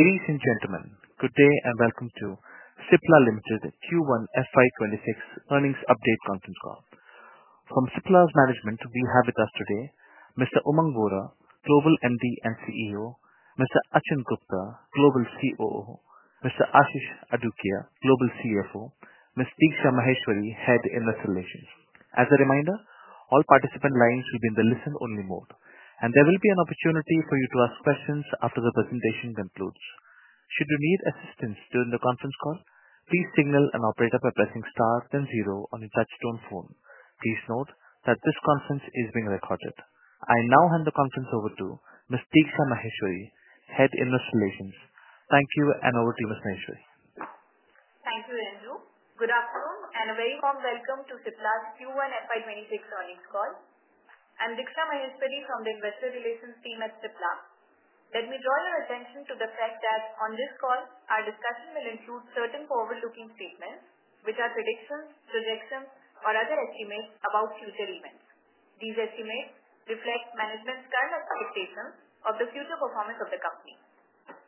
Ladies and gentlemen, good day and welcome to Cipla Limited Q1 FY 2026 earnings update conference call. From Cipla's management, we have with us today Mr. Umang Vohra, Global MD and CEO, Mr. Achin Gupta, Global COO, Mr. Ashish Adukia, Global CFO, and Ms. Diksha Maheshwari, Head Investor Relations. As a reminder, all participant lines will be in the listen-only mode, and there will be an opportunity for you to ask questions after the presentation concludes. Should you need assistance during the conference call, please signal and operate by pressing star then zero on your touch-tone phone. Please note that this conference is being recorded. I now hand the conference over to Ms. Diksha Maheshwari, Head Investor Relations. Thank you, and over to you, Ms. Maheshwari. Thank you, Andrew. Good afternoon and a very warm welcome to Cipla's Q1 FY 2026 earnings call. I'm Diksha Maheshwari from the Investor Relations team at Cipla. Let me draw your attention to the fact that on this call, our discussion will include certain forward-looking statements which are predictions, projections, or other estimates about future events. These estimates reflect management's current expectations of the future performance of the company.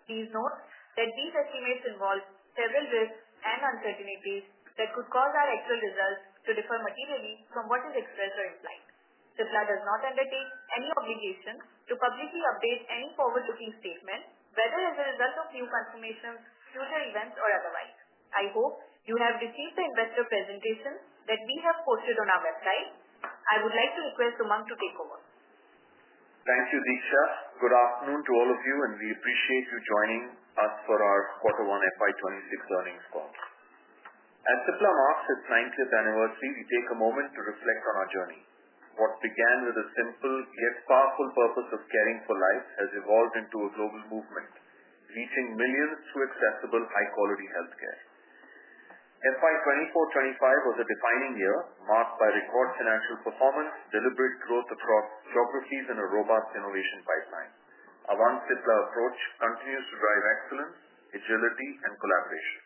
Please note that these estimates involve several risks and uncertainties that could cause our actual results to differ materially from what is expressed or implied. Cipla does not undertake any obligation to publicly update any forward-looking statement, whether as a result of new confirmations, future events, or otherwise. I hope you have received the investor presentation that we have posted on our website. I would like to request Umang to take over. Thank you, Diksha. Good afternoon to all of you, and we appreciate you joining us for our quarter one FY 2026 earnings call. As Cipla marks its 90th anniversary, we take a moment to reflect on our journey. What began with a simple yet powerful purpose of caring for life has evolved into a global movement reaching millions through accessible high-quality healthcare. FY 2024-2025 was a defining year marked by record financial performance, deliberate growth across geographies, and a robust innovation pipeline. A one-Cipla approach continues to drive excellence, agility, and collaboration.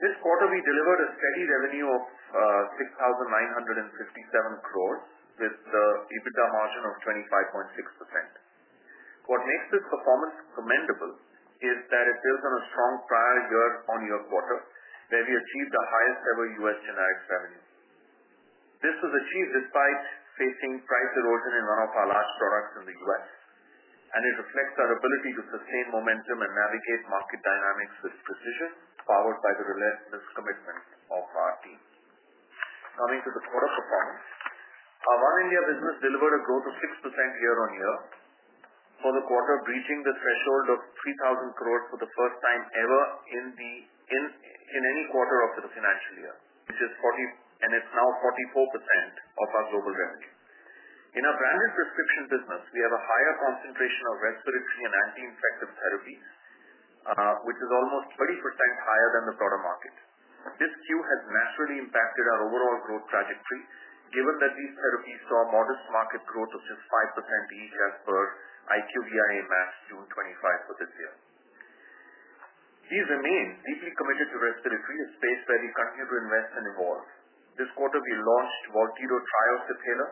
This quarter, we delivered a steady revenue of 6,957 crore with the EBITDA margin of 25.6%. What makes this performance commendable is that it builds on a strong prior year-on-year quarter where we achieved the highest-ever US generic revenue. This was achieved despite facing price erosion in one of our large products in the U.S., and it reflects our ability to sustain momentum and navigate market dynamics with precision powered by the relentless commitment of our team. Coming to the quarter performance, our One India business delivered a growth of 6% year-on-year for the quarter, breaching the threshold of 3,000 crore for the first time ever in any quarter of the financial year, which is 40%, and it's now 44% of our global revenue. In our branded prescription business, we have a higher concentration of respiratory and anti-infective therapies, which is almost 30% higher than the broader market. This queue has naturally impacted our overall growth trajectory given that these therapies saw modest market growth of just 5% each as per IQVIA Max June 2025 for this year. We remain deeply committed to respiratory, a space where we continue to invest and evolve. This quarter, we launched Voltido Trio,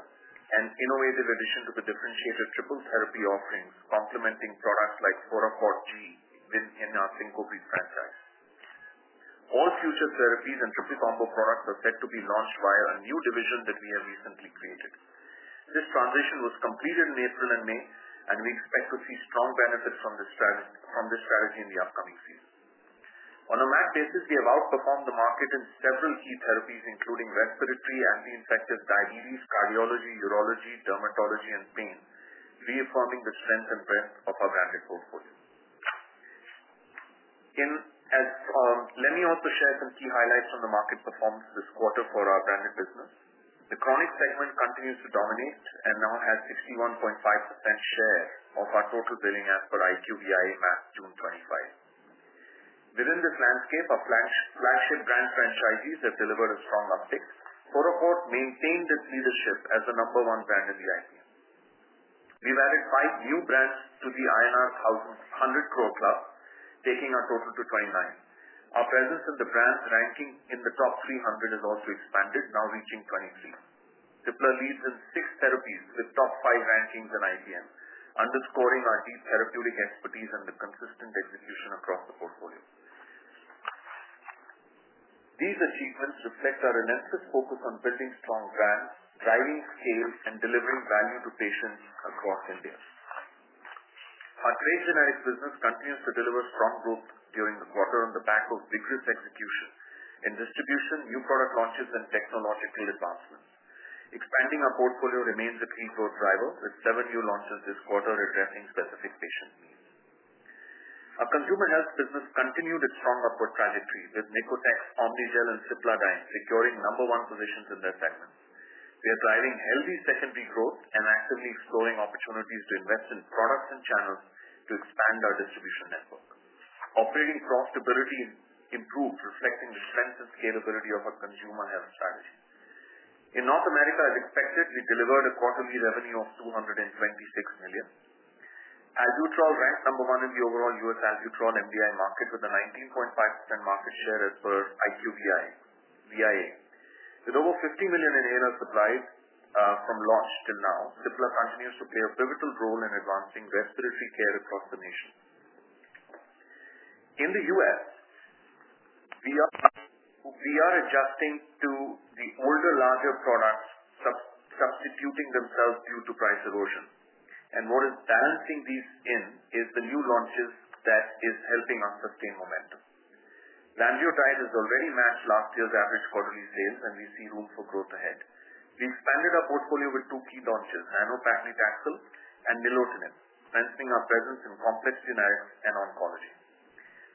and innovative addition to the differentiated triple therapy offerings complementing products like Cipla G within our Syncope franchise. All future therapies and triple combo products are set to be launched via a new division that we have recently created. This transition was completed in April and May, and we expect to see strong benefits from this strategy in the upcoming season. On a Max basis, we have outperformed the market in several key therapies including respiratory, anti-infective, diabetes, cardiology, urology, dermatology, and pain, reaffirming the strength and breadth of our branded portfolio. Let me also share some key highlights from the market performance this quarter for our branded business. The chronic segment continues to dominate and now has 61.5% share of our total billing as per IQVIA Max June 2025. Within this landscape, our flagship brand franchisees have delivered a strong uptake. Cipla maintained its leadership as the number one brand in the IPM. We've added five new brands to the INR 100 crore club, taking our total to 29. Our presence in the brands ranking in the top 300 has also expanded, now reaching 23. Cipla leads in six therapies with top five rankings in IPM, underscoring our deep therapeutic expertise and the consistent execution across the portfolio. These achievements reflect our relentless focus on building strong brands, driving scale, and delivering value to patients across India. Our trade generic business continues to deliver strong growth during the quarter on the back of vigorous execution in distribution, new product launches, and technological advancements. Expanding our portfolio remains a key growth driver with seven new launches this quarter addressing specific patient needs. Our consumer health business continued its strong upward trajectory with Nicotex, Omnigel, and Cipla D securing number one positions in their segments. We are driving healthy secondary growth and actively exploring opportunities to invest in products and channels to expand our distribution network. Operating profitability improved, reflecting the strength and scalability of our consumer health strategy. In North America, as expected, we delivered a quarterly revenue of $226 million. Albuterol ranked number one in the overall U.S. Albuterol MDI market with a 19.5% market share as per IQVIA. With over 50 million inhalers supplied from launch till now, Cipla continues to play a pivotal role in advancing respiratory care across the nation. In the U.S., we are adjusting to the older, larger products substituting themselves due to price erosion. What is balancing these in is the new launches that are helping us sustain momentum. Lanreotide has already matched last year's average quarterly sales, and we see room for growth ahead. We expanded our portfolio with two key launches, NanoPaclitaxel and Nilotinib, strengthening our presence in complex generics and oncology.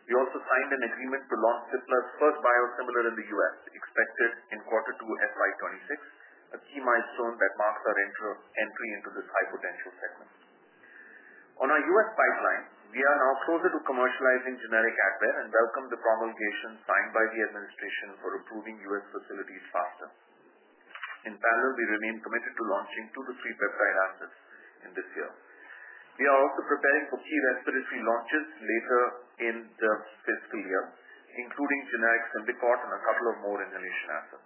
We also signed an agreement to launch Cipla's first biosimilar in the U.S., expected in Q2 2026, a key milestone that marks our entry into this high-potential segment. On our U.S. pipeline, we are now closer to commercializing generic Adderall and welcome the promulgation signed by the administration for improving U.S. facilities faster. In parallel, we remain committed to launching two to three peptide assets in this year. We are also preparing for key respiratory launches later in the fiscal year, including generic Symbicort and a couple of more inhalation assets.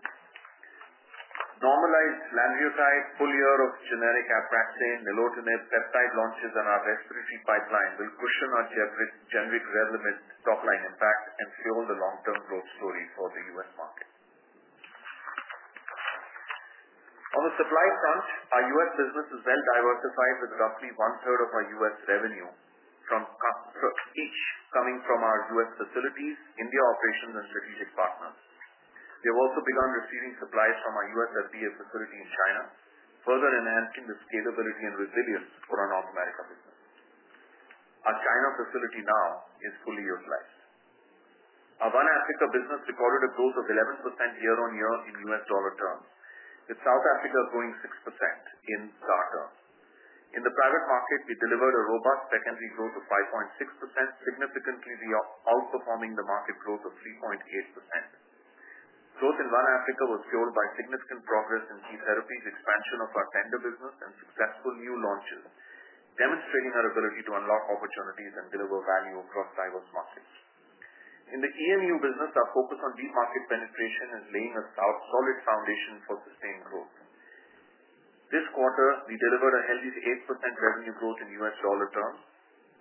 Normalized Lanreotide, full year of generic Abraxane, Nilotinib, peptide launches on our respiratory pipeline will cushion our generic regimen's top-line impact and fuel the long-term growth story for the U.S. market. On the supply front, our U.S. business is well diversified with roughly one-third of our U.S. revenue from each coming from our U.S. facilities, India operations, and strategic partners. We have also begun receiving supplies from our U.S. FDA facility in China, further enhancing the scalability and resilience for our North America business. Our China facility now is fully utilized. Our One Africa business recorded a growth of 11% year-on-year in U.S. dollar terms, with South Africa growing 6% in SAR terms. In the private market, we delivered a robust secondary growth of 5.6%, significantly outperforming the market growth of 3.8%. Growth in One Africa was fueled by significant progress in key therapies, expansion of our tender business, and successful new launches, demonstrating our ability to unlock opportunities and deliver value across diverse markets. In the EMU business, our focus on deep market penetration is laying a solid foundation for sustained growth. This quarter, we delivered a healthy 8% revenue growth in US dollar terms,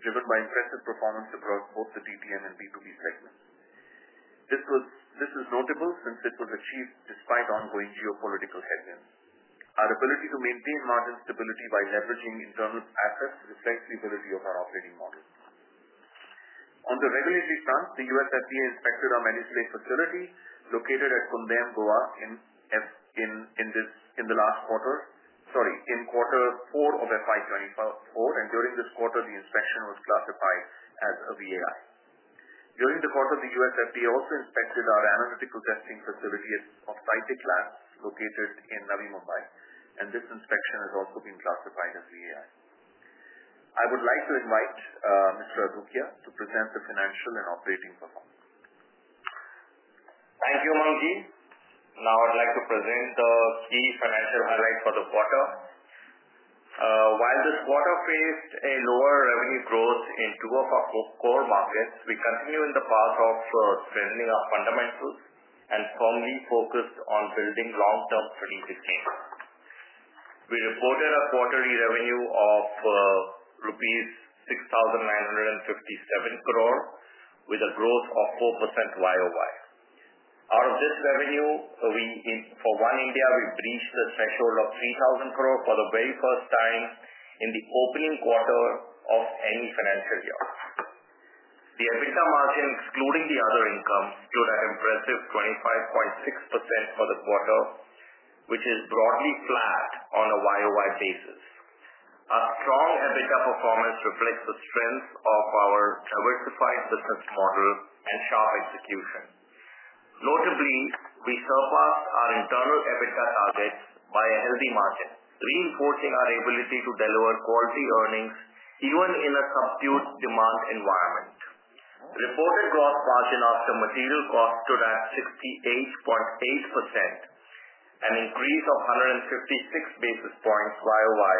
driven by impressive performance across both the DTM and B2B segments. This is notable since it was achieved despite ongoing geopolitical headwinds. Our ability to maintain margin stability by leveraging internal assets reflects the ability of our operating model. On the regulatory front, the US FDA inspected our Medispray facility located at Goa in the last quarter—sorry, in quarter four of FY 2024. During this quarter, the inspection was classified as a VAI. During the quarter, the US FDA also inspected our analytical testing facility of Sytech Labs located in Navi Mumbai, and this inspection has also been classified as VAI. I would like to invite Mr. Adukia to present the financial and operating performance. Thank you, Umang. Now, I'd like to present the key financial highlights for the quarter. While this quarter faced a lower revenue growth in two of our core markets, we continue in the path of strengthening our fundamentals and firmly focused on building long-term strategic gains. We reported a quarterly revenue of rupees 6,957 crore, with a growth of 4% YoY. Out of this revenue, for One India, we breached the threshold of 3,000 crore for the very first time in the opening quarter of any financial year. The EBITDA margin, excluding the other income, stood at impressive 25.6% for the quarter, which is broadly flat on a YoY basis. Our strong EBITDA performance reflects the strength of our diversified business model and sharp execution. Notably, we surpassed our internal EBITDA targets by a healthy margin, reinforcing our ability to deliver quality earnings even in a subdued demand environment. Reported gross margin after material cost stood at 68.8%, an increase of 156 basis points YoY,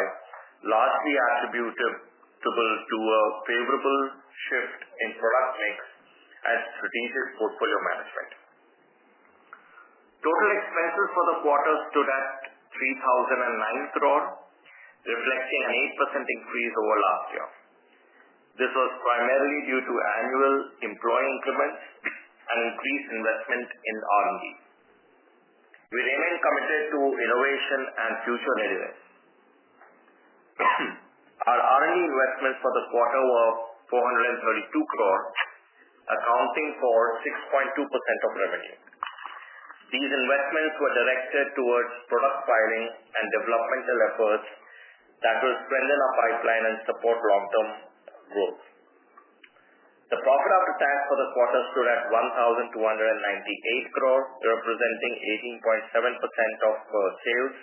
largely attributable to a favorable shift in product mix and strategic portfolio management. Total expenses for the quarter stood at 3,009 crore, reflecting an 8% increase over last year. This was primarily due to annual employee increments and increased investment in R&D. We remain committed to innovation and future readiness. Our R&D investments for the quarter were 432 crore, accounting for 6.2% of revenue. These investments were directed towards product filing and developmental efforts that will strengthen our pipeline and support long-term growth. The profit after tax for the quarter stood at 1,298 crore, representing 18.7% of sales.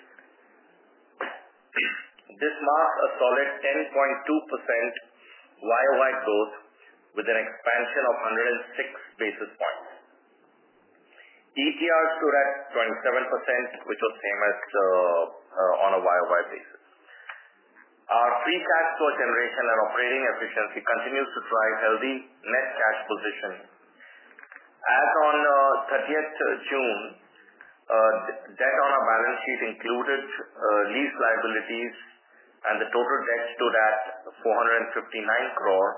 This marks a solid 10.2% YoY growth with an expansion of 106 basis points. ETR stood at 27%, which was the same as on a YoY basis. Our free cash flow generation and operating efficiency continues to drive healthy net cash position. As on 30th June, debt on our balance sheet included lease liabilities, and the total debt stood at 459 crore,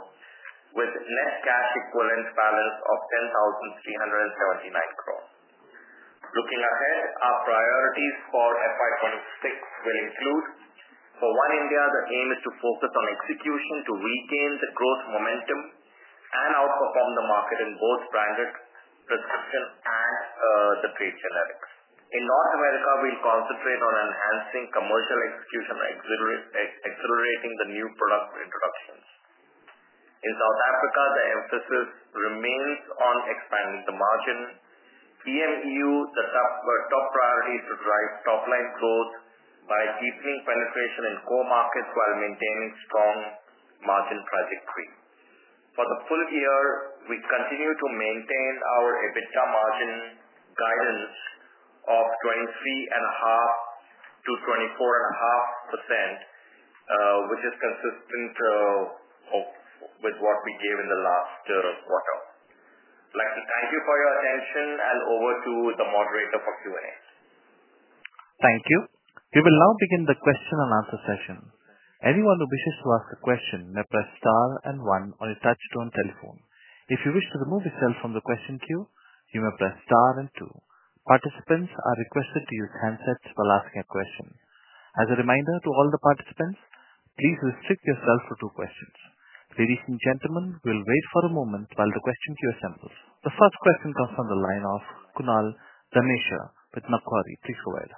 with net cash equivalent balance of 10,379 crore. Looking ahead, our priorities for FY 2026 will include, for One India, the aim is to focus on execution to regain the growth momentum and outperform the market in both branded prescription and the trade generics. In North America, we'll concentrate on enhancing commercial execution and accelerating the new product introductions. In South Africa, the emphasis remains on expanding the margin. EMU, the top priority, is to drive top-line growth by deepening penetration in core markets while maintaining strong margin trajectory. For the full year, we continue to maintain our EBITDA margin guidance of 23.5%-24.5%, which is consistent with what we gave in the last quarter. Thank you for your attention. I'll over to the moderator for Q&A. Thank you. We will now begin the question and answer session. Anyone who wishes to ask a question may press star and one on a touchstone telephone. If you wish to remove yourself from the question queue, you may press star and two. Participants are requested to use handsets while asking a question. As a reminder to all the participants, please restrict yourself to two questions. Ladies and gentlemen, we'll wait for a moment while the question queue assembles. The first question comes from the line of Kunal Dhamesha with Macquarie. Please go ahead.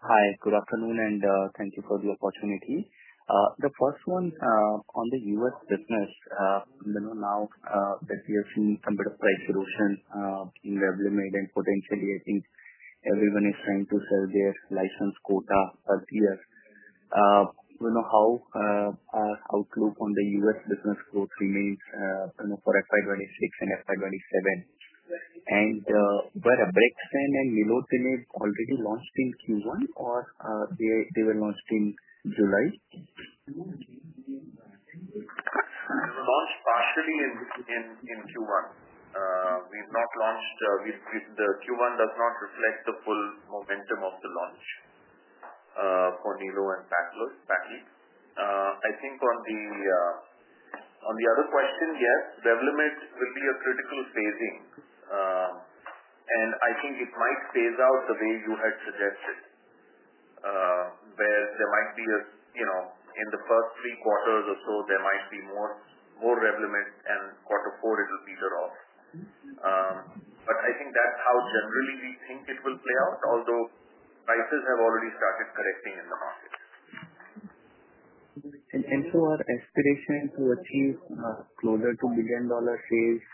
Hi. Good afternoon, and thank you for the opportunity. The first one on the US business. Now that we have seen some bit of price erosion in the regulatory and potentially, I think everyone is trying to sell their license quota per year. We know how. Our outlook on the US business growth remains for FY 2026 and FY 2027. And were Abraxane and Nilotinib already launched in Q1, or they were launched in July? Launched partially in Q1. We've not launched, the Q1 does not reflect the full momentum of the launch. For Nilotinib and NanoPaclitaxel, I think on the other question, yes, Revlimid will be a critical phasing. I think it might phase out the way you had suggested, where there might be, in the first three quarters or so, there might be more Revlimid, and quarter four, it'll bear off. I think that's how generally we think it will play out, although prices have already started correcting in the market. For aspiration to achieve closer to $1 million sales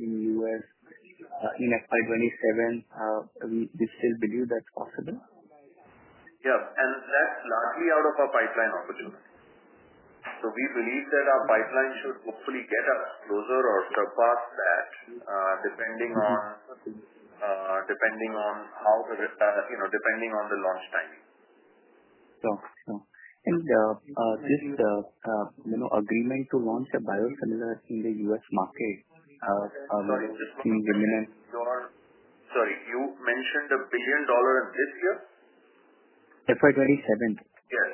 in the US in FY 2027, we still believe that's possible? Yeah. That's largely out of our pipeline opportunity. We believe that our pipeline should hopefully get us closer or surpass that, depending on how the, depending on the launch timing. Sure. This agreement to launch a biosimilar in the US market. Sorry, just one question. Sorry. You mentioned a billion dollars this year? FY 2027. Yes.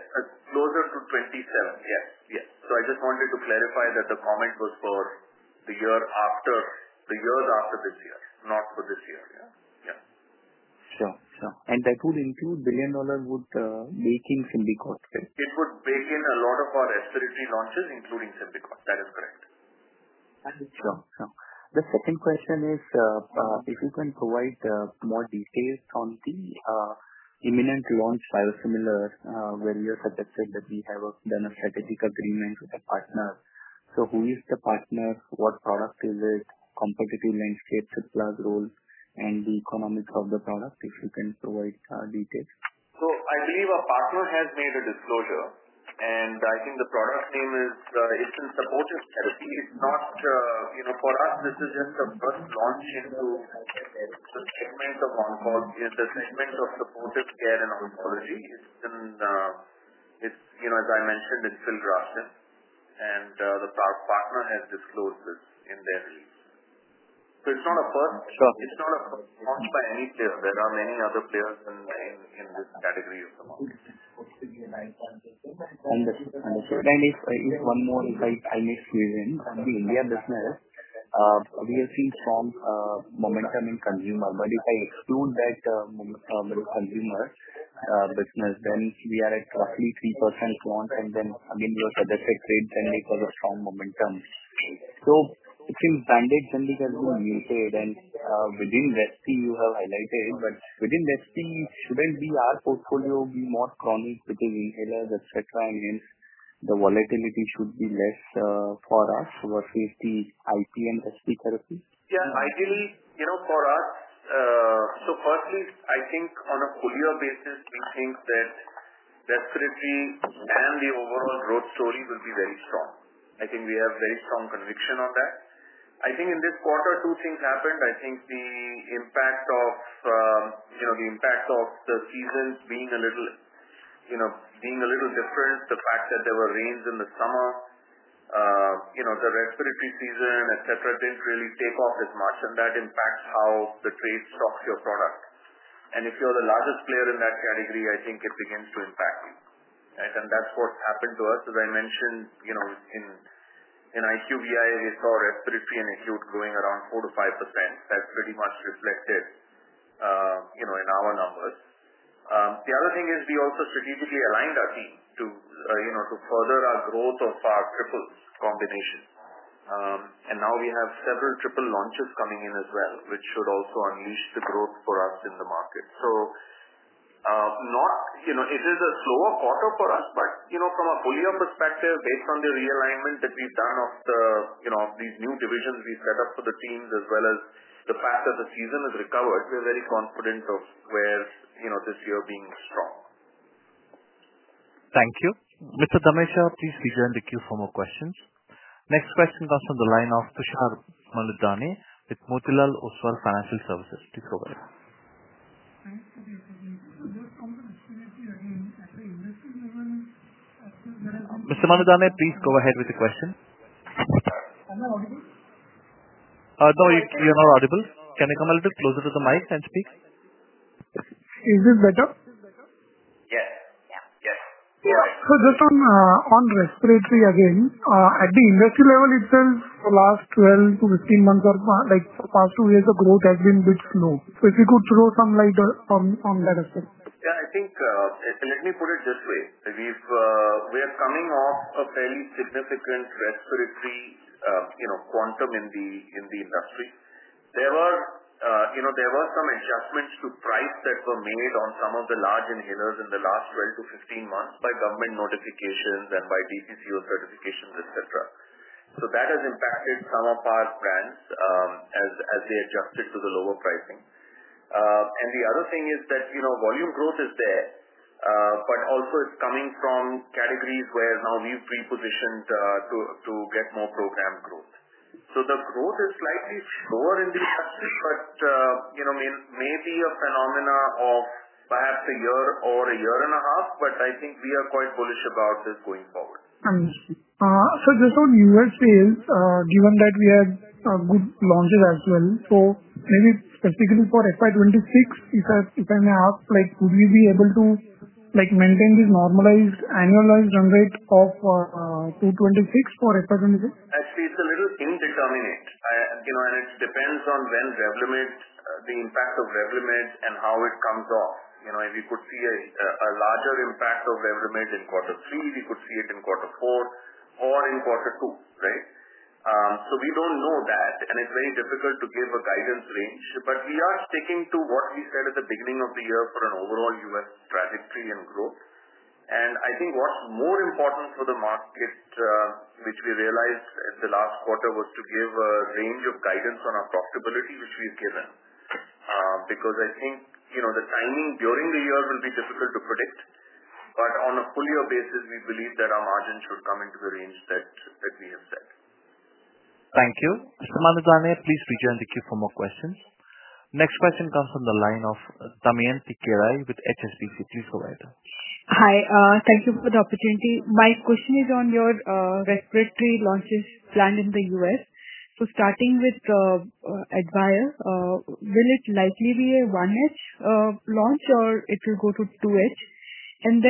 Closer to 2027. Yes. Yes. I just wanted to clarify that the comment was for the years after this year, not for this year. Yeah. Sure. Sure. And that would include billion-dollar would be including Symbicort? It would billion in a lot of our respiratory launches, including Symbicort. That is correct. Sure. The second question is if you can provide more details on the imminent launch biosimilar where you have said that we have done a strategic agreement with a partner. Who is the partner? What product is it? Competitive landscape, supply roles, and the economics of the product, if you can provide details. I believe our partner has made a disclosure, and I think the product name is, it's in supportive therapy. It's not for us. This is just a first launch into the segment of oncology, the segment of supportive care and oncology. It's in, as I mentioned, it's still grassroots, and the partner has disclosed this in their release. It's not a first. Sure. It's not a first launch by any player. There are many other players in this category of the market. Understood. If I may squeeze in one more. On the India business, we have seen strong momentum in consumer. If I exclude that consumer business, then we are at roughly 3% launch, and then again, your other trade generic has a strong momentum. It seems branded generic has been muted, and within Vespi, you have highlighted, but within Vespi, shouldn't our portfolio be more chronic with the inhalers, etc., and hence the volatility should be less for us versus the IP and SP therapy? Yeah. Ideally, for us. Firstly, I think on a fuller basis, we think that respiratory and the overall growth story will be very strong. I think we have very strong conviction on that. I think in this quarter, two things happened. The impact of the seasons being a little different, the fact that there were rains in the summer, the respiratory season, etc., did not really take off as much, and that impacts how the trade stocks your product. If you are the largest player in that category, I think it begins to impact you. That is what happened to us. As I mentioned, in IQVIA, we saw respiratory and acute growing around 4%-5%. That is pretty much reflected in our numbers. The other thing is we also strategically aligned our team to further our growth of our triples combination. Now we have several triple launches coming in as well, which should also unleash the growth for us in the market. It is a slower quarter for us, but from a fuller perspective, based on the realignment that we have done of these new divisions we have set up for the teams, as well as the fact that the season has recovered, we are very confident of this year being strong. Thank you. Mr. Dhamesha, please reserve the queue for more questions. Next question comes from the line of Tushar Manudhane with Motilal Oswal Financial Services. Please go ahead. Mr. Manudhane, please go ahead with the question. Am I audible? No, you're not audible. Can you come a little closer to the mic and speak? Is this better? Yes. Yeah. Yes. Just on respiratory again, at the industry level itself, the last 12 to 15 months or the past two years, the growth has been a bit slow. If you could throw some on that aspect. Yeah. I think let me put it this way. We are coming off a fairly significant respiratory quantum in the industry. There were some adjustments to price that were made on some of the large inhalers in the last 12 to 15 months by government notifications and by DPCO certifications, etc. That has impacted some of our brands as they adjusted to the lower pricing. The other thing is that volume growth is there, but also it's coming from categories where now we've repositioned to get more program growth. The growth is slightly slower in the industry. It may be a phenomenon of perhaps a year or a year and a half, but I think we are quite bullish about this going forward. Just on US sales, given that we had good launches as well, maybe specifically for FY 2026, if I may ask, would we be able to maintain this normalized annualized run rate of $226 million for FY 2026? Actually, it's a little indeterminate. It depends on when Revlimid, the impact of Revlimid, and how it comes off. If we could see a larger impact of Revlimid in quarter three, we could see it in quarter four or in quarter two, right? We don't know that, and it's very difficult to give a guidance range, but we are sticking to what we said at the beginning of the year for an overall US trajectory and growth. I think what's more important for the market, which we realized the last quarter, was to give a range of guidance on our profitability, which we've given. I think the timing during the year will be difficult to predict, but on a fuller basis, we believe that our margin should come into the range that we have set. Thank you. Mr. Manudhane, please reserve the queue for more questions. Next question comes from the line of Damayanti Kerai with HSBC. Please go ahead. Hi. Thank you for the opportunity. My question is on your respiratory launches planned in the US. Starting with Advair, will it likely be a one-edge launch or will it go to two-edge?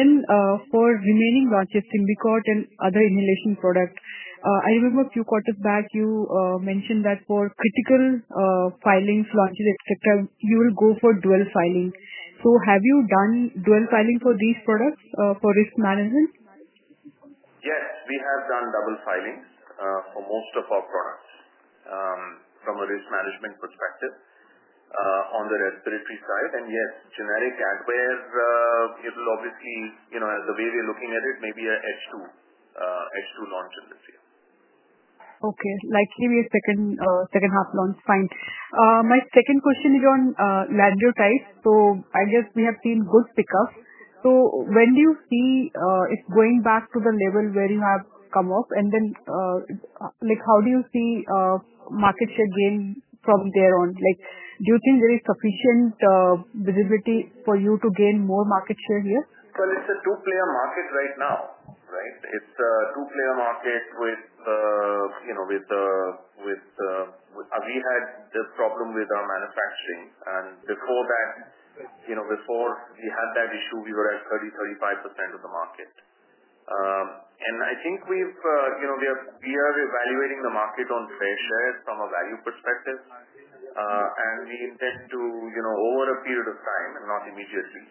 For the remaining launches, Symbicort and other inhalation products, I remember a few quarters back you mentioned that for critical filings, launches, etc., you will go for dual filing. Have you done dual filing for these products for risk management? Yes. We have done double filings for most of our products from a risk management perspective on the respiratory side. Yes, generic Adcock Ingram, it will obviously, the way we're looking at it, maybe an H2. H2 launch in this year. Okay. Likely be a second-half launch. Fine. My second question is on ladder types. So I guess we have seen good pickup. When do you see it going back to the level where you have come up? How do you see market share gain from there on? Do you think there is sufficient visibility for you to gain more market share here? It's a two-player market right now, right? It's a two-player market. We had this problem with our manufacturing. Before we had that issue, we were at 30%-35% of the market. I think we've evaluated the market on fair share from a value perspective. We intend to, over a period of time and not immediately,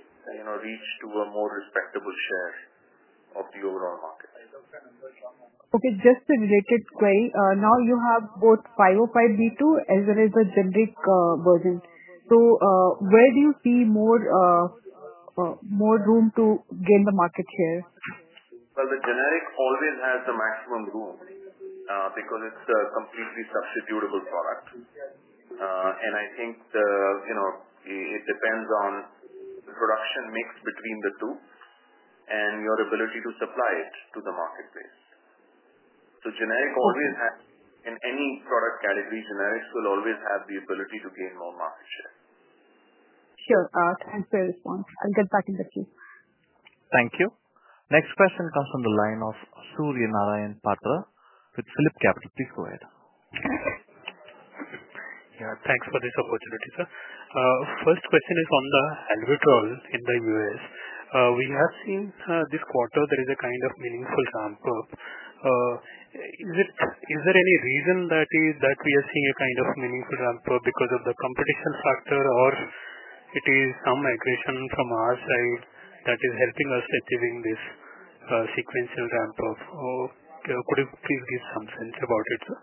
reach to a more respectable share of the overall market. Okay. Just to relate it query, now you have both 505(b)(2) as well as the generic version. So where do you see more room to gain the market share? The generic always has the maximum room because it's a completely substitutable product. I think it depends on the production mix between the two and your ability to supply it to the marketplace. Generic always has, in any product category, generics will always have the ability to gain more market share. Sure. Thanks for your response. I'll get back in the queue. Thank you. Next question comes from the line of Surya Narayan Patra with PhillipCapital. Please go ahead. Yeah. Thanks for this opportunity, sir. First question is on the Albuterol MDI in the US. We have seen this quarter there is a kind of meaningful ramp-up. Is there any reason that we are seeing a kind of meaningful ramp-up because of the competition factor, or it is some aggression from our side that is helping us achieving this sequential ramp-up? Could you please give some sense about it, sir?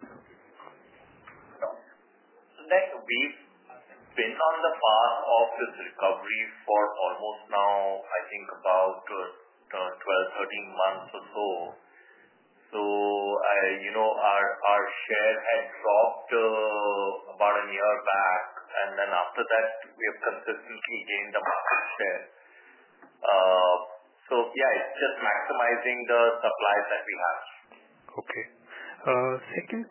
Sure. We've been on the path of this recovery for almost now, I think, about 12, 13 months or so. Our share had dropped about a year back, and then after that, we have consistently gained the market share. Yeah, it's just maximizing the supplies that we have. Okay. Second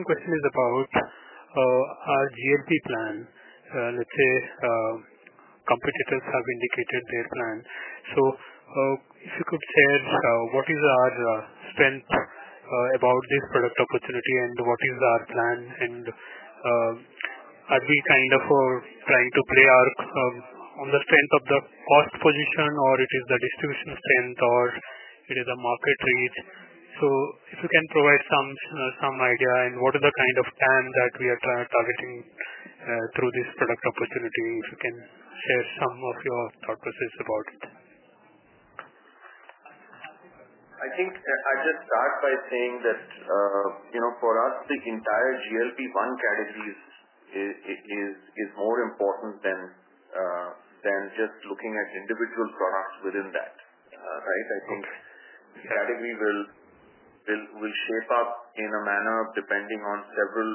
question is about our GLP plan. Let's say competitors have indicated their plan. If you could share what is our strength about this product opportunity and what is our plan? Are we kind of trying to play on the strength of the cost position, or is it the distribution strength, or is it a market reach? If you can provide some idea and what are the kind of TAM that we are targeting through this product opportunity, if you can share some of your thought process about it. I think I just start by saying that for us, the entire GLP-1 category is more important than just looking at individual products within that, right? I think the category will shape up in a manner depending on several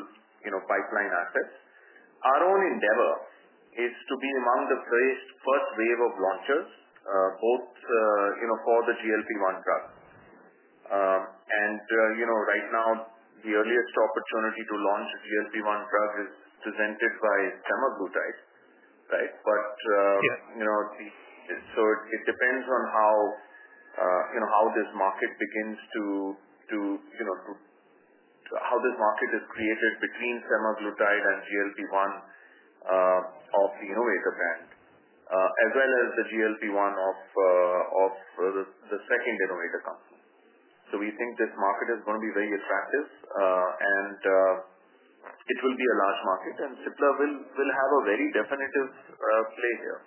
pipeline assets. Our own endeavor is to be among the first wave of launchers, both for the GLP-1 drug. Right now, the earliest opportunity to launch GLP-1 drug is presented by semaglutide, right? It depends on how this market begins to, how this market is created between semaglutide and GLP-1 of the innovator brand, as well as the GLP-1 of the second innovator company. We think this market is going to be very attractive, and it will be a large market, and Cipla will have a very definitive play here.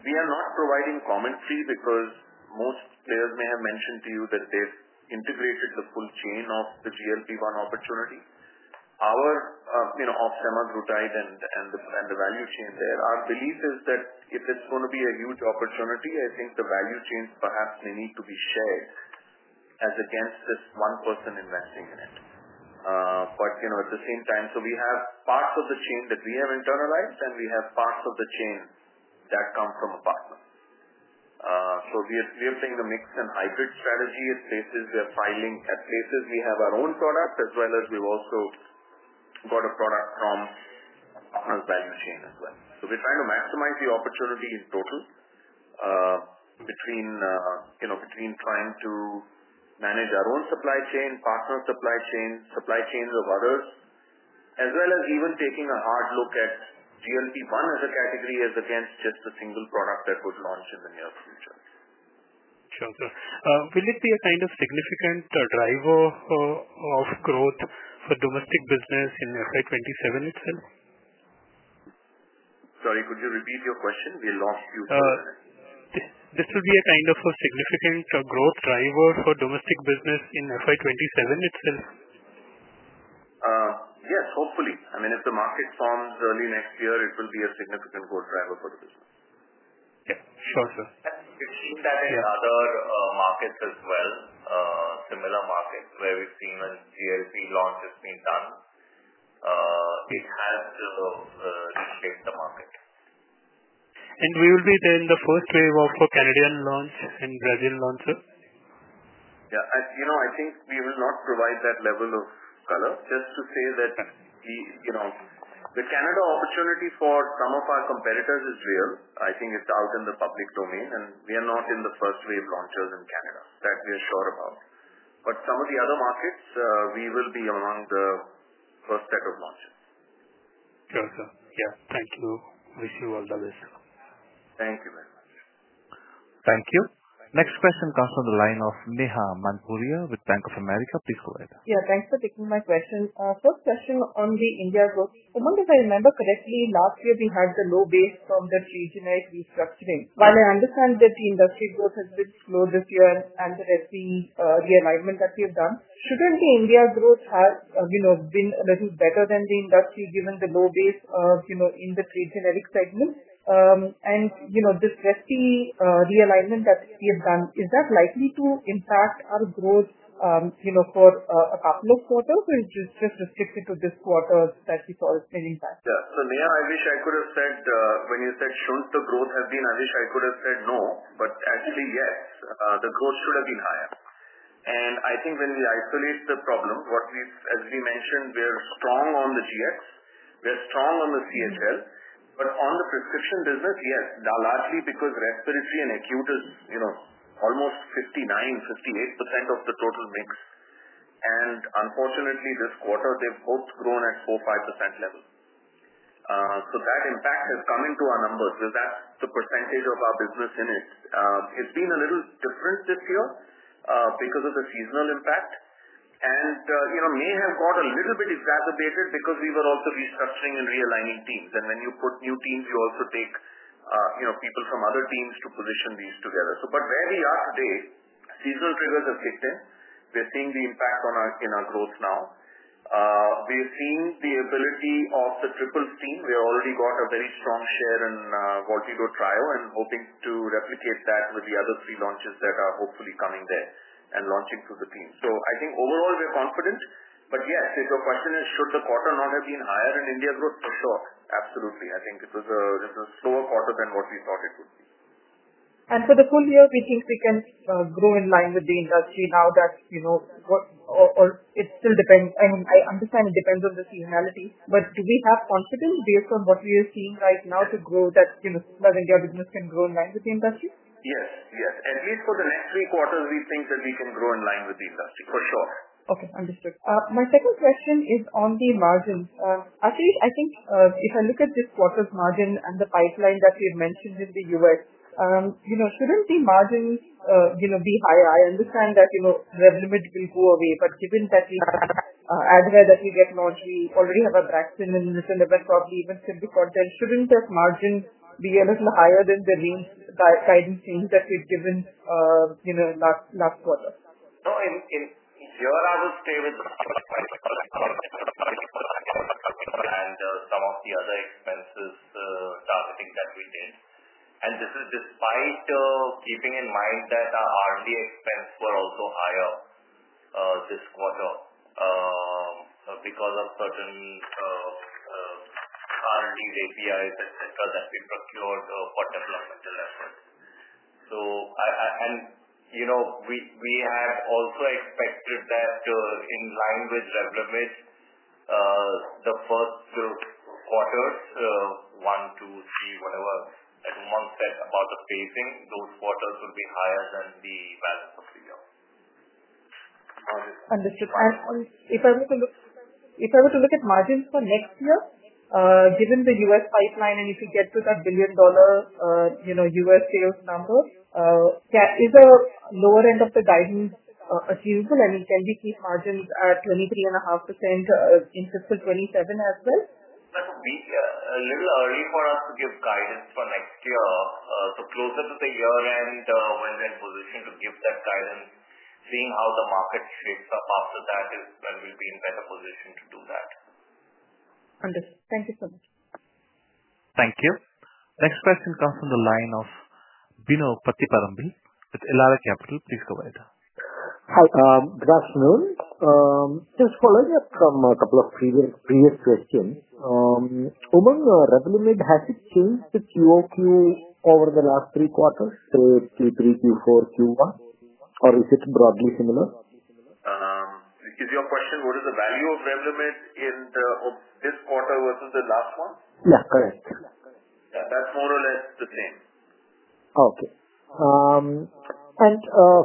We are not providing commentary because most players may have mentioned to you that they've integrated the full chain of the GLP-1 opportunity. Of semaglutide and the value chain there, our belief is that if it's going to be a huge opportunity, I think the value chains perhaps may need to be shared as against this one person investing in it. At the same time, we have parts of the chain that we have internalized, and we have parts of the chain that come from a partner. We are playing a mix and hybrid strategy. At places we are filing, at places we have our own product, as well as we've also got a product from partner's value chain as well. We're trying to maximize the opportunity in total between trying to manage our own supply chain, partner supply chain, supply chains of others, as well as even taking a hard look at GLP-1 as a category as against just a single product that would launch in the near future. Sure. Will it be a kind of significant driver of growth for domestic business in FY 2027 itself? Sorry, could you repeat your question? We lost you for a minute. This will be a kind of a significant growth driver for domestic business in FY 2027 itself? Yes, hopefully. I mean, if the market forms early next year, it will be a significant growth driver for the business. Yeah. Sure, sir. We've seen that in other markets as well. Similar markets where we've seen a GLP launch has been done. It has reshaped the market. Will we be then the first wave of Canada launch and Brazilian launch? Yeah. I think we will not provide that level of color. Just to say that the Canada opportunity for some of our competitors is real. I think it is out in the public domain, and we are not in the first wave launchers in Canada, that we are sure about. Some of the other markets, we will be among the first set of launches. Sure, sir. Yeah. Thank you. Wish you all the best. Thank you very much. Thank you. Next question comes from the line of Neha Manpuria with Bank of America. Please go ahead. Yeah. Thanks for taking my question. First question on the India growth. Among those, if I remember correctly, last year we had the low base from the pre-generic restructuring. While I understand that the industry growth has been slow this year and the repeat realignment that we have done, should not the India growth have been a little better than the industry given the low base in the pre-generic segment? And this repeat realignment that we have done, is that likely to impact our growth for a couple of quarters, or is it just restricted to this quarter that we saw its main impact? Yeah. Neha, I wish I could have said when you said shouldn't the growth have been, I wish I could have said no, but actually, yes. The growth should have been higher. I think when we isolate the problem, as we mentioned, we are strong on the GX. We are strong on the CHL. On the prescription business, yes, largely because respiratory and acute is almost 59%-58% of the total mix. Unfortunately, this quarter, they have both grown at 4%-5% level. That impact has come into our numbers because that is the percentage of our business in it. It has been a little different this year because of the seasonal impact. It may have got a little bit exacerbated because we were also restructuring and realigning teams. When you put new teams, you also take people from other teams to position these together. Where we are today, seasonal triggers have kicked in. We are seeing the impact in our growth now. We are seeing the ability of the triple steam. We have already got a very strong share in Voltido Trio and hoping to replicate that with the other three launches that are hopefully coming there and launching through the team. I think overall, we are confident. If your question is, should the quarter not have been higher in India growth? For sure. Absolutely. I think it was a slower quarter than what we thought it would be. For the full year, we think we can grow in line with the industry now. It still depends. I mean, I understand it depends on the seasonality, but do we have confidence based on what we are seeing right now to grow that Cipla's India business can grow in line with the industry? Yes. Yes. At least for the next three quarters, we think that we can grow in line with the industry, for sure. Okay. Understood. My second question is on the margins. Actually, I think if I look at this quarter's margin and the pipeline that we have mentioned in the U.S., shouldn't the margins be higher? I understand that Revlimid will go away, but given that Advair that we get launched, we already have a vaccine in this environment, probably even simply content. Shouldn't that margin be a little higher than the range guidance things that we've given last quarter? No. In here, I would stay with the. And some of the other expenses targeting that we did. This is despite keeping in mind that our R&D expenses were also higher this quarter because of certain R&D APIs, etc., that we procured for developmental efforts. We had also expected that in line with Revlimid, the first two quarters, one, two, three, whatever, that one set about the phasing, those quarters would be higher than the value for three years. Understood. If I were to look at margins for next year, given the U.S. pipeline and if we get to that billion-dollar U.S. sales number, is the lower end of the guidance achievable? I mean, can we keep margins at 23.5% in fiscal 2027 as well? We are a little early for us to give guidance for next year. Closer to the year-end, when we're in position to give that guidance, seeing how the market shapes up after that is when we'll be in better position to do that. Understood. Thank you so much. Thank you. Next question comes from the line of Bino Pathiparampil with Elara Capital. Please go ahead. Hi. Good afternoon. Just following up from a couple of previous questions. Among Revlimid, has it changed the QoQ over the last three quarters, say Q3, Q4, Q1? Or is it broadly similar? Is your question, what is the value of Revlimid in this quarter versus the last one? Yeah. Correct. Yeah. That's more or less the same. Okay.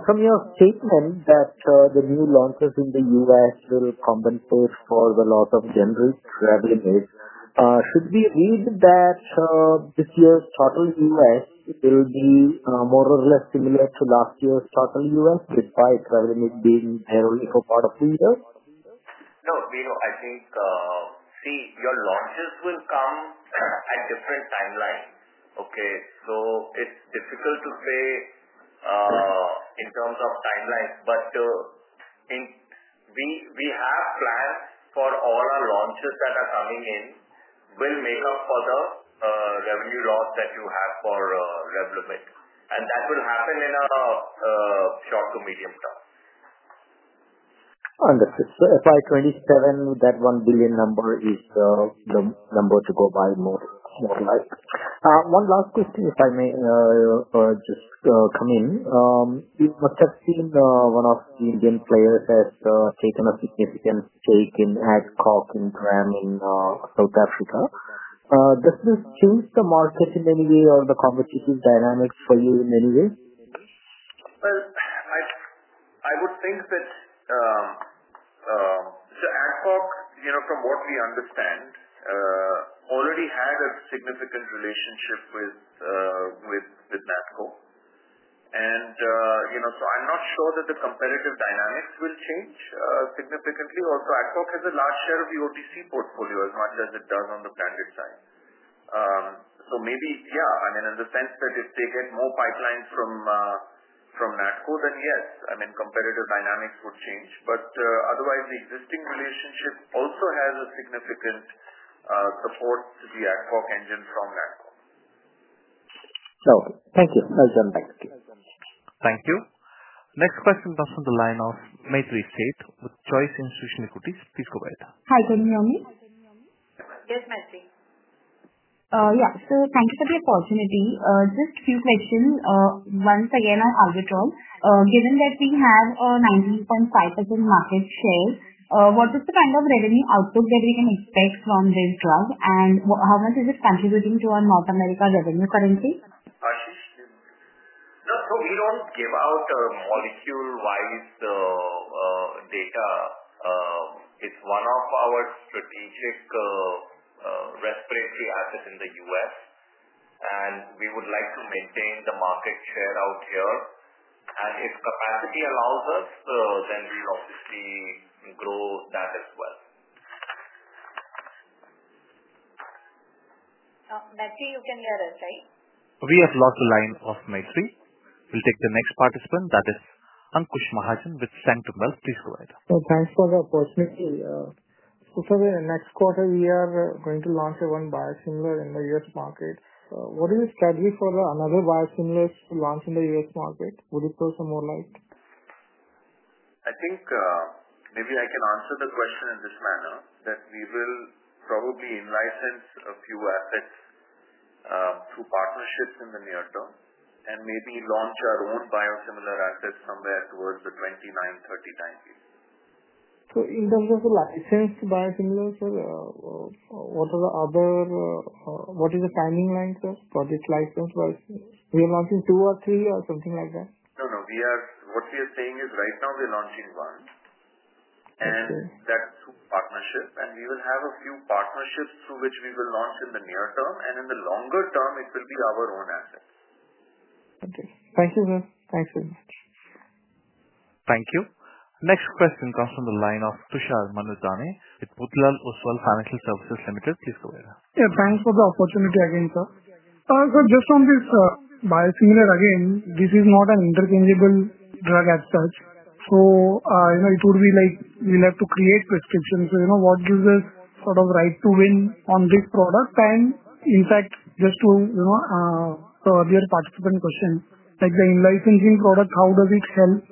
From your statement that the new launches in the U.S. will compensate for the loss of generic Revlimid, should we read that this year's total U.S. will be more or less similar to last year's total U.S., despite Revlimid being there only for part of the year? No. Bino, I think. See, your launches will come at different timelines. Okay? So it's difficult to say in terms of timelines. We have plans for all our launches that are coming in will make up for the revenue loss that you have for Revlimid. That will happen in a short to medium term. Understood. So FY 2027, that $1 billion number is the number to go by, more or less. One last question, if I may. Just come in. You must have seen one of the Indian players has taken a significant stake in Adcock Ingram in South Africa. Does this change the market in any way or the competitive dynamics for you in any way? I would think that Adcock, from what we understand, already had a significant relationship with Natco. I'm not sure that the competitive dynamics will change significantly. Also, Adcock has a large share of the OTC portfolio as much as it does on the branded side. Maybe, yeah, I mean, in the sense that if they get more pipelines from Natco, then yes, competitive dynamics would change. Otherwise, the existing relationship also has significant support to the Adcock engine from Natco. Okay. Thank you. Well done. Thank you. Thank you. Next question comes from the line of Maitri Sheth with Choice Institutional Equities. Please go ahead. Hi. Good morning. Yes, Maitri. Yeah. Thank you for the opportunity. Just a few questions. Once again, I'll withdraw. Given that we have a 19.5% market share, what is the kind of revenue outlook that we can expect from this drug? How much is it contributing to our North America revenue currently? No. We do not give out molecule-wise data. It is one of our strategic respiratory assets in the US, and we would like to maintain the market share out here. If capacity allows us, then we will obviously grow that as well. Maitri, you can hear us, right? We have lost the line of Maitri. We'll take the next participant. That is Ankush Mahajan with Sanctum Wealth. Please go ahead. Thanks for the opportunity. For the next quarter, we are going to launch one biosimilar in the U.S. market. What is the strategy for other biosimilars to launch in the U.S. market? Would it go somewhere like? I think. Maybe I can answer the question in this manner, that we will probably in-license a few assets through partnerships in the near term, and maybe launch our own biosimilar assets somewhere towards the 2029, 2030 time period. In terms of the licensed biosimilars, what are the other, what is the timing line for project licensed biosimilars? We are launching two or three or something like that? No, no. What we are saying is right now we are launching one. That is through partnership. We will have a few partnerships through which we will launch in the near term. In the longer term, it will be our own assets. Okay. Thank you, sir. Thanks very much. Thank you. Next question comes from the line of Tushar Manudhane with Motilal Oswal Financial Services Limited. Please go ahead. Yeah. Thanks for the opportunity again, sir. Just on this biosimilar again, this is not an interchangeable drug as such. It would be like we'll have to create prescriptions. What gives us sort of right to win on this product? In fact, just to their participant question, like the in-licensing product, how does it help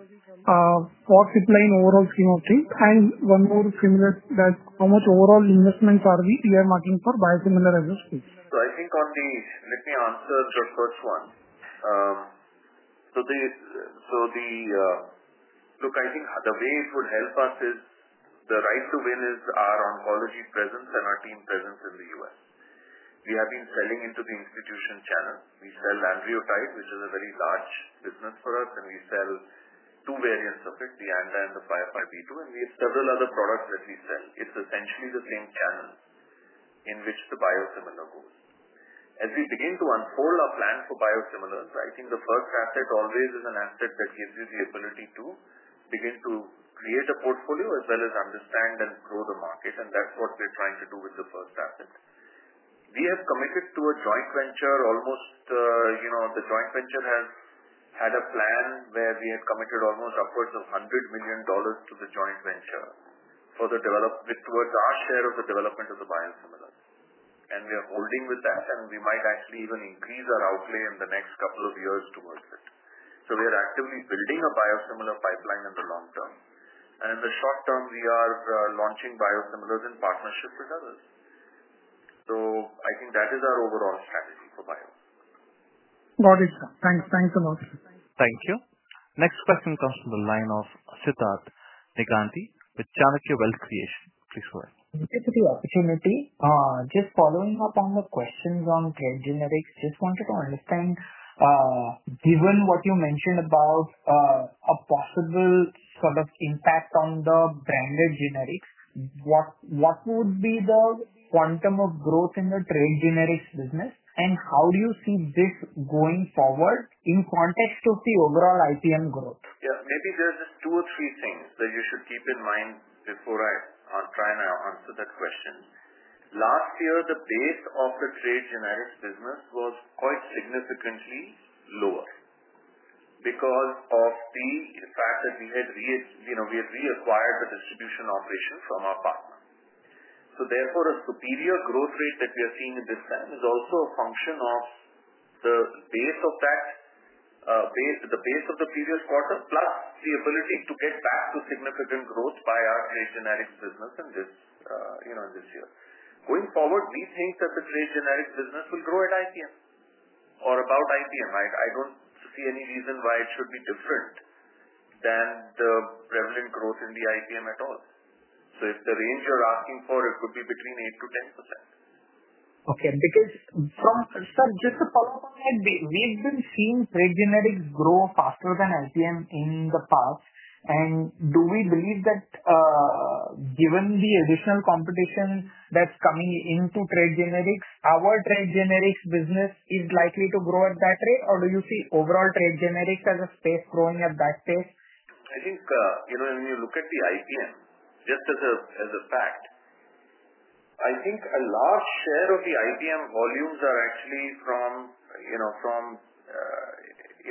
for supply and overall scheme of things? One more similar, how much overall investments are we are making for biosimilar as a school? I think on the, let me answer the first one. The way it would help us is the right to win is our oncology presence and our team presence in the US. We have been selling into the institution channel. We sell Lanreotide, which is a very large business for us, and we sell two variants of it, the ANDA and the 505(b)(2). We have several other products that we sell. It is essentially the same channel in which the biosimilar goes. As we begin to unfold our plan for biosimilars, I think the first asset always is an asset that gives you the ability to begin to create a portfolio as well as understand and grow the market. That is what we are trying to do with the first asset. We have committed to a joint venture almost. The joint venture has had a plan where we had committed almost upwards of $100 million to the joint venture for the development towards our share of the development of the biosimilars. We are holding with that, and we might actually even increase our outlay in the next couple of years towards it. We are actively building a biosimilar pipeline in the long-term. In the short-term, we are launching biosimilars in partnership with others. That is our overall strategy for biosimilars. Got it, sir. Thanks. Thanks a lot. Thank you. Next question comes from the line of Sidharth Negandhi with Chanakya Wealth Creation. Please go ahead. Thank you for the opportunity. Just following up on the questions on trade generics, just wanted to understand. Given what you mentioned about a possible sort of impact on the branded generics, what would be the quantum of growth in the trade generics business? How do you see this going forward in context of the overall IPM growth? Yeah. Maybe there are just two or three things that you should keep in mind before I try and answer that question. Last year, the base of the trade generics business was quite significantly lower because of the fact that we had reacquired the distribution operation from our partner. Therefore, a superior growth rate that we are seeing at this time is also a function of the base of that, the base of the previous quarter, plus the ability to get back to significant growth by our trade generics business in this year. Going forward, we think that the trade generics business will grow at IPM or about IPM. I don't see any reason why it should be different than the prevalent growth in the IPM at all. If the range you're asking for, it could be between 8%-10%. Okay. Because from just a follow-up on that, we've been seeing trade generics grow faster than IPM in the past. Do we believe that, given the additional competition that's coming into trade generics, our trade generics business is likely to grow at that rate? Or do you see overall trade generics as a space growing at that pace? I think when you look at the IPM, just as a fact. I think a large share of the IPM volumes are actually from.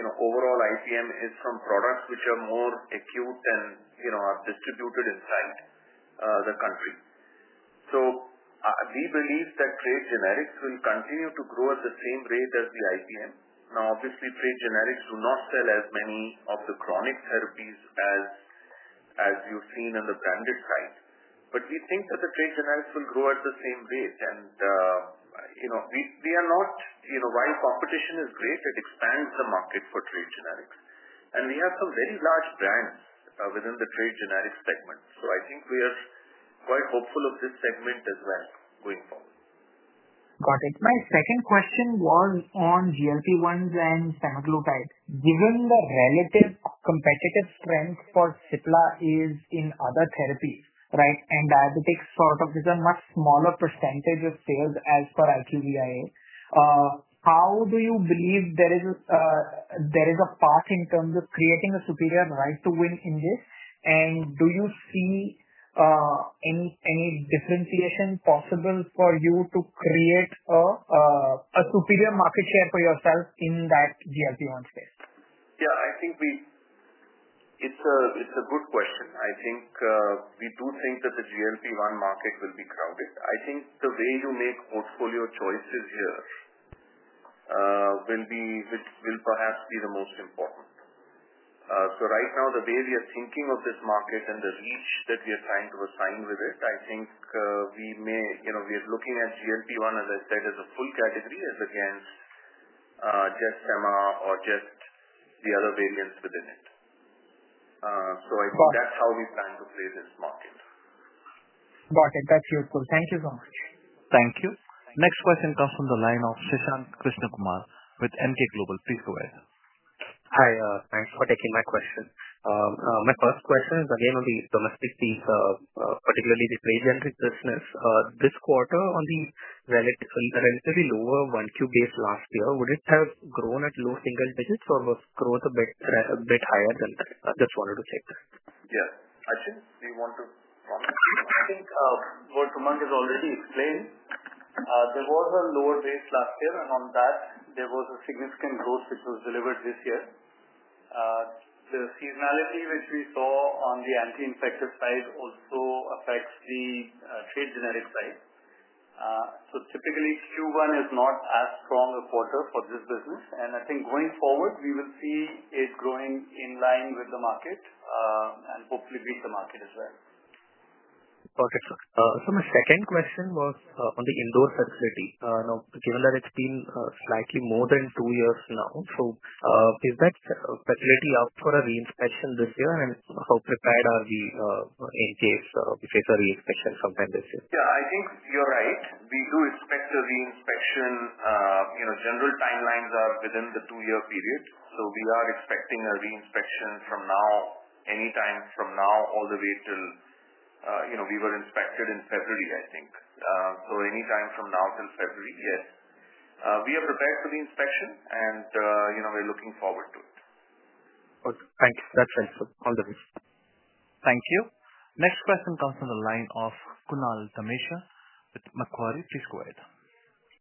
Overall, IPM is from products which are more acute and are distributed inside the country. We believe that trade generics will continue to grow at the same rate as the IPM. Now, obviously, trade generics do not sell as many of the chronic therapies as you've seen on the branded side. We think that the trade generics will grow at the same rate. We are not, while competition is great, it expands the market for trade generics. We have some very large brands within the trade generics segment. I think we are quite hopeful of this segment as well going forward. Got it. My second question was on GLP-1s and semaglutide. Given the relative competitive strength for Cipla is in other therapies, right, and diabetics sort of is a much smaller percentage of sales as per IQVIA. How do you believe there is a path in terms of creating a superior right to win in this? Do you see any differentiation possible for you to create a superior market share for yourself in that GLP-1 space? Yeah. I think it's a good question. I think we do think that the GLP-1 market will be crowded. I think the way you make portfolio choices here will perhaps be the most important. Right now, the way we are thinking of this market and the reach that we are trying to assign with it, I think we are looking at GLP-1, as I said, as a full category as against just sema or just the other variants within it. I think that's how we plan to play this market. Got it. That's useful. Thank you so much. Thank you. Next question comes from the line of Shashank Krishnakumar with Emkay Global. Please go ahead. Hi. Thanks for taking my question. My first question is, again, on the domestic piece, particularly the trade generics business. This quarter, on the relatively lower 1Q base last year, would it have grown at low single digits or was growth a bit higher than that? I just wanted to check that. Yeah. Ashish, do you want to comment? I think what Umang has already explained, there was a lower base last year, and on that, there was a significant growth which was delivered this year. The seasonality which we saw on the anti-infective side also affects the trade generic side. Typically, Q1 is not as strong a quarter for this business. I think going forward, we will see it growing in line with the market. Hopefully beat the market as well. Perfect. My second question was on the Indore facility. Now, given that it's been slightly more than two years now, is that facility up for a reinspection this year? How prepared are we in case we face a reinspection sometime this year? Yeah. I think you're right. We do expect a reinspection. General timelines are within the two-year period. We are expecting a reinspection from now, anytime from now all the way till. We were inspected in February, I think. Anytime from now till February, yes. We are prepared for the inspection, and we're looking forward to it. Thank you. That's excellent. Wonderful. Thank you. Next question comes from the line of Kunal Dhamesha with Macquarie. Please go ahead.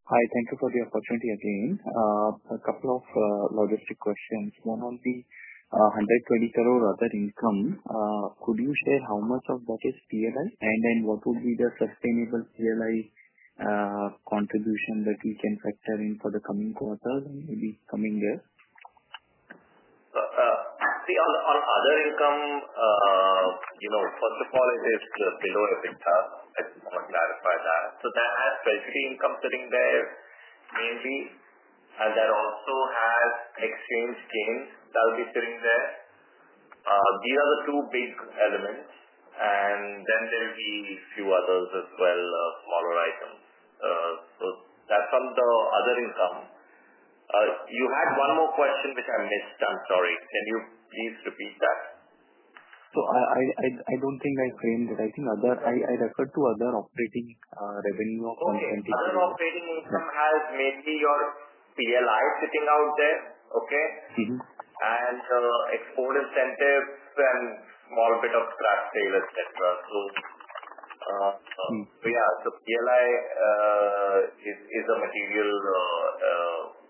Hi. Thank you for the opportunity again. A couple of logistic questions. One on the 120 crore other income. Could you share how much of that is PLI? And then what would be the sustainable PLI contribution that we can factor in for the coming quarter and maybe coming year? On other income. First of all, it is below EBITDA. I just want to clarify that. That has treasury income sitting there mainly, and that also has exchange gains that will be sitting there. These are the two big elements. There will be a few others as well, smaller items. That is on the other income. You had one more question which I missed. I'm sorry. Can you please repeat that? I don't think I framed it. I think I referred to other operating revenue of. Okay. Other operating income has mainly your PLI sitting out there, okay? And export incentives and small bit of craft sales, etc. PLI is a material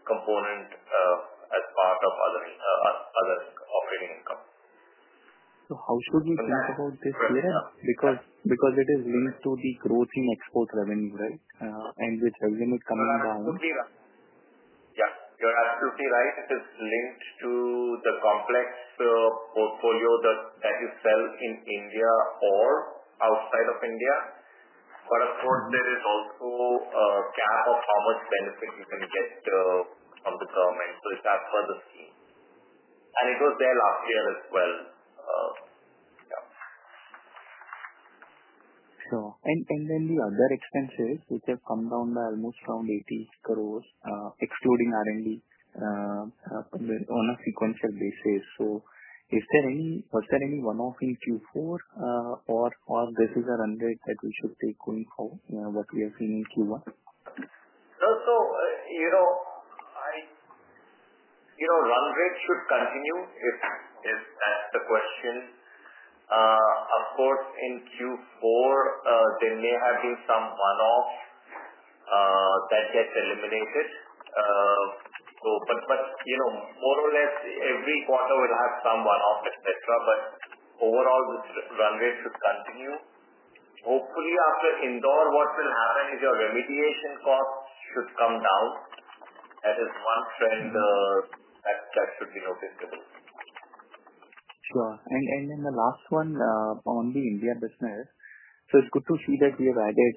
component as part of other operating income. How should we think about this here? Because it is linked to the growth in export revenue, right? With revenue coming down. Yeah. You're absolutely right. It is linked to the complex portfolio that you sell in India or outside of India. Of course, there is also a cap of how much benefit you can get from the government. It's outside the scheme. It was there last year as well. Yeah. Sure. The other expenses, which have come down by almost around 800 million, excluding R&D, on a sequential basis. Is there any, was there any one-off in Q4? Or is this a run rate that we should take going forward, what we have seen in Q1? Run rate should continue if that's the question. Of course, in Q4, there may have been some one-off. That gets eliminated. More or less, every quarter will have some one-off, etc. Overall, this run rate should continue. Hopefully, after Indore, what will happen is your remediation costs should come down. That is one trend. That should be noticeable. Sure. The last one on the India business. It's good to see that we have added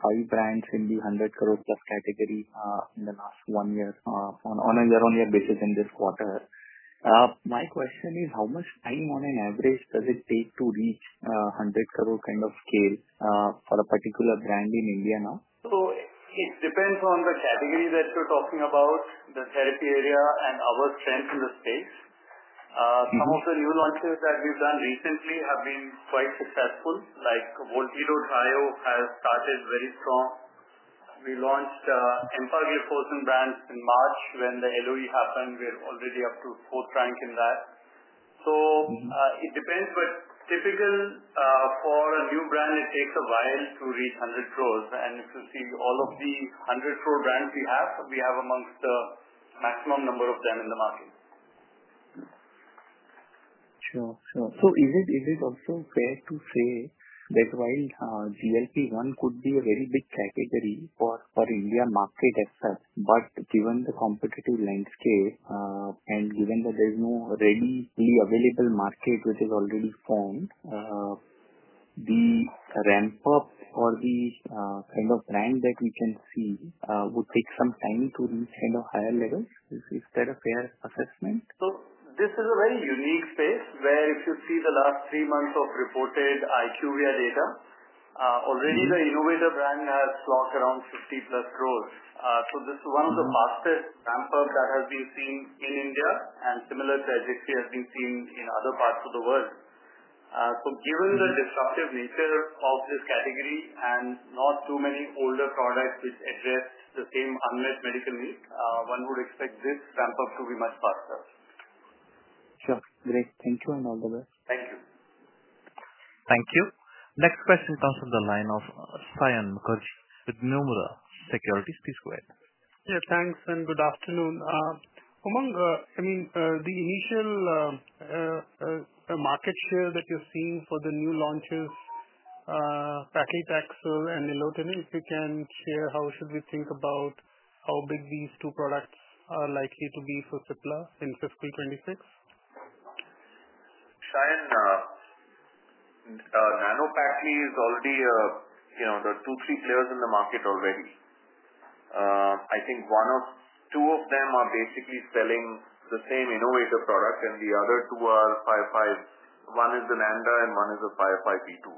five brands in the 100 crore plus category in the last one year on a year-on-year basis in this quarter. My question is, how much time on average does it take to reach 100 crore kind of scale for a particular brand in India now? It depends on the category that you're talking about, the therapy area, and our strength in the space. Some of the new launches that we've done recently have been quite successful. Like Voltido Trio has started very strong. We launched empagliflozin brands in March when the LOE happened. We're already up to fourth rank in that. It depends. Typically, for a new brand, it takes a while to reach 1 billion. If you see all of the 1 billion brands we have, we have amongst the maximum number of them in the market. Sure. Sure. Is it also fair to say that while GLP-1 could be a very big category for the India market itself, given the competitive landscape and given that there is no readily available market which is already formed, the ramp-up or the kind of trend that we can see would take some time to reach higher levels? Is that a fair assessment? This is a very unique space where if you see the last three months of reported IQVIA data, already the innovator brand has clocked around 50 crore-plus. This is one of the fastest ramp-ups that has been seen in India, and a similar trajectory has been seen in other parts of the world. Given the disruptive nature of this category and not too many older products which address the same unmet medical need, one would expect this ramp-up to be much faster. Sure. Great. Thank you and all the best. Thank you. Thank you. Next question comes from the line of Saion Mukherjee with Nomura Securities. Please go ahead. Yeah. Thanks and good afternoon. Umang, I mean, the initial market share that you're seeing for the new launches, paclitaxel and nilotinib, if you can share how should we think about how big these two products are likely to be for Cipla in fiscal 2026? Saion? NanoPaclitaxel is already the two, three players in the market already. I think one or two of them are basically selling the same innovator product, and the other two are 505. One is the Lambda and one is the 505(b)(2).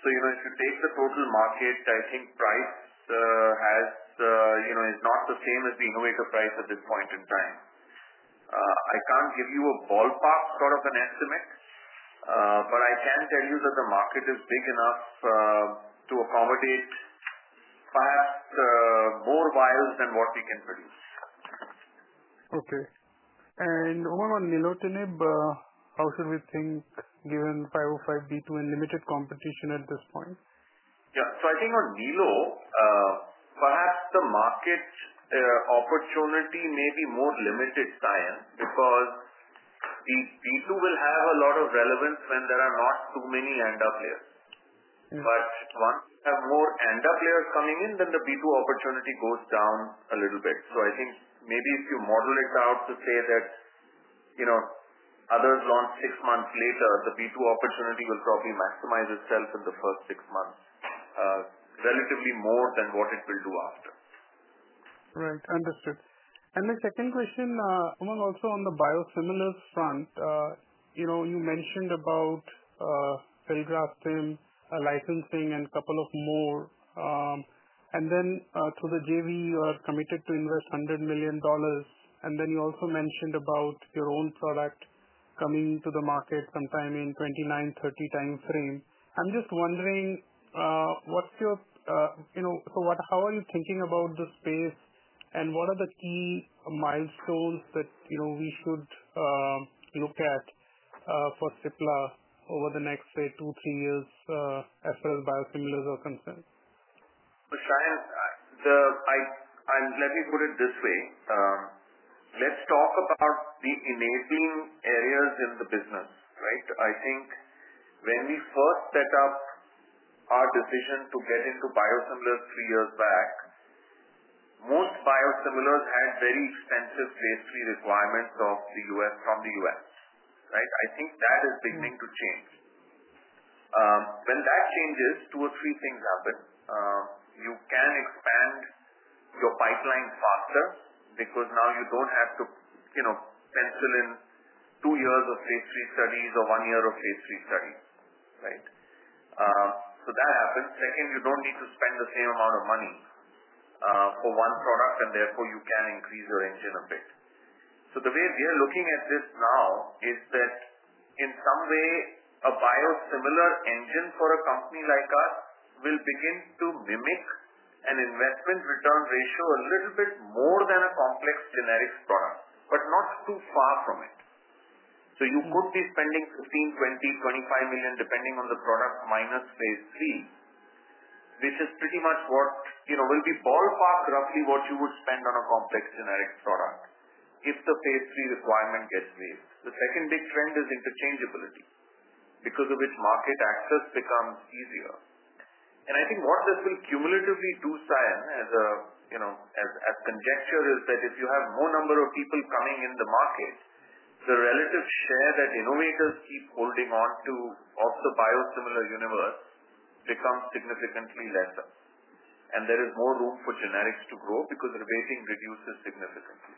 If you take the total market, I think price is not the same as the innovator price at this point in time. I can't give you a ballpark sort of an estimate. I can tell you that the market is big enough to accommodate perhaps more vials than what we can produce. Okay. Umang, on nilotinib, how should we think given 505(b)(2) and limited competition at this point? Yeah. I think on Nilotinib, perhaps the market opportunity may be more limited, Saion, because B2B will have a lot of relevance when there are not too many ANDA players. Once you have more ANDA players coming in, then the B2B opportunity goes down a little bit. I think maybe if you model it out to say that others launch six months later, the B2B opportunity will probably maximize itself in the first six months, relatively more than what it will do after. Right. Understood. My second question, Umang, also on the biosimilars front. You mentioned about filgrastim, licensing, and a couple more. Through the JV, you are committed to invest $100 million. You also mentioned about your own product coming to the market sometime in 2029-2030 timeframe. I'm just wondering, how are you thinking about the space? What are the key milestones that we should look at for Cipla over the next, say, two-three years as far as biosimilars are concerned? Saion? Let me put it this way. Let's talk about the enabling areas in the business, right? I think when we first set up our decision to get into biosimilars three years back, most biosimilars had very extensive phase three requirements from the US, right? I think that is beginning to change. When that changes, two or three things happen. You can expand your pipeline faster because now you don't have to pencil in two years of phase three studies or one year of phase three studies, right? That happens. Second, you don't need to spend the same amount of money for one product, and therefore you can increase your engine a bit. The way we are looking at this now is that in some way, a biosimilar engine for a company like us will begin to mimic an investment return ratio a little bit more than a complex generics product, but not too far from it. You could be spending $15 million, $20 million, $25 million, depending on the product, minus phase three, which is pretty much what will be ballpark roughly what you would spend on a complex generics product if the phase three requirement gets waived. The second big trend is interchangeability, because of which market access becomes easier. I think what this will cumulatively do, Saion, as a conjecture is that if you have more number of people coming in the market, the relative share that innovators keep holding on to of the biosimilar universe becomes significantly lesser. There is more room for generics to grow because retaining reduces significantly.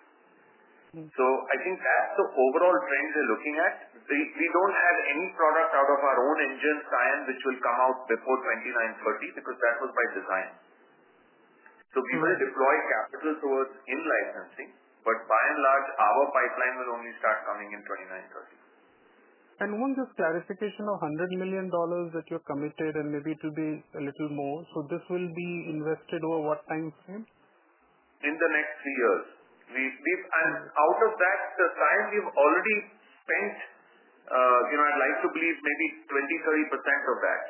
I think that's the overall trend we're looking at. We don't have any product out of our own engine, Saion, which will come out before 2029, 2030, because that was by design. We will deploy capital towards in-licensing, but by and large, our pipeline will only start coming in 2029, 2030. Umang, just clarification of $100 million that you're committed and maybe it will be a little more. This will be invested over what timeframe? In the next three years. Out of that, Saion, we've already spent. I'd like to believe maybe 20-30% of that.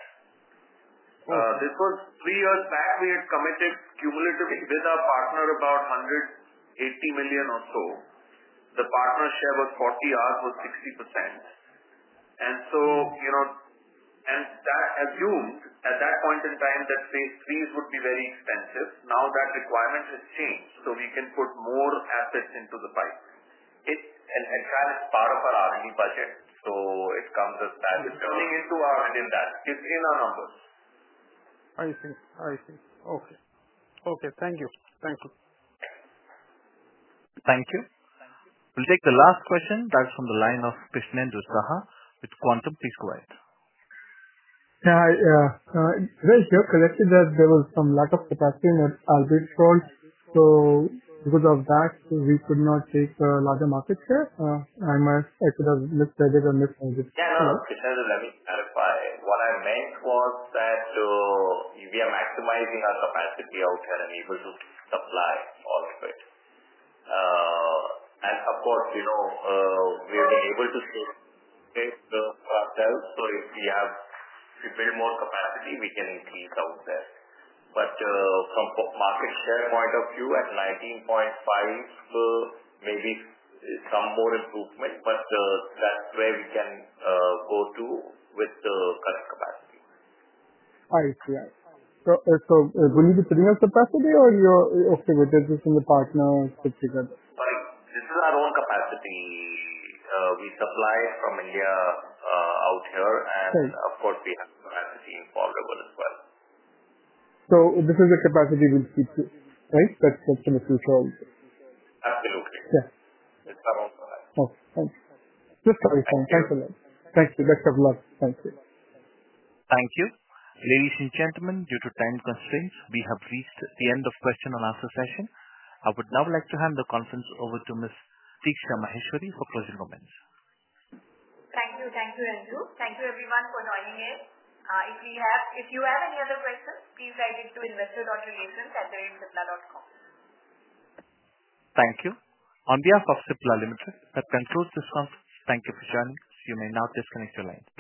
This was three years back we had committed cumulatively with our partner about $180 million or so. The partner share was 40%, ours was 60%. That assumed at that point in time that phase threes would be very expensive. Now that requirement has changed, so we can put more assets into the pipe. Saion is part of our R&D budget, so it comes as that. It's coming into our in that. It's in our numbers. I see. Okay. Thank you. Thank you. We'll take the last question. That's from the line of Krishnendu Saha with Quantum. Please go ahead. Yeah. It was just corrected that there was some lack of capacity in the Albuterol. So because of that, we could not take a larger market share. I must, I could have misread it or misunderstood. Yeah. No, Krishnendu, let me clarify. What I meant was that we are maximizing our capacity out there and able to supply all of it. Of course, we have been able to sustain for ourselves. If we have built more capacity, we can increase out there. From a market share point of view, at 19.5%, maybe some more improvement, but that's where we can go to with the current capacity. I see. So will you be putting out capacity or you're okay with it just in the partners put together? This is our own capacity. We supply from India out here. Of course, we have capacity in Palderwood as well. This is the capacity we'll keep to, right? That's in the future also. Absolutely. Yeah. It's our own product. Okay. Thanks. Just for reference. Thanks a lot. Thank you. Best of luck. Thank you. Thank you. Ladies and gentlemen, due to time constraints, we have reached the end of question and answer session. I would now like to hand the conference over to Ms. Diksha Maheshwari for closing comments. Thank you. Thank you, Andrew. Thank you, everyone, for joining in. If you have any other questions, please write it to investor.relations@cipla.com. Thank you. On behalf of Cipla Limited, that concludes this conference. Thank you for joining us. You may now disconnect your line.